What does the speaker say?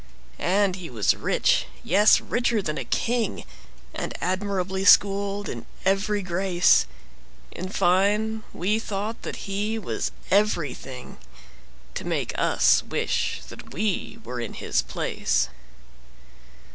And he was rich,—yes, richer than a king,—And admirably schooled in every grace:In fine, we thought that he was everythingTo make us wish that we were in his place.